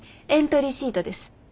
エントリーシートです。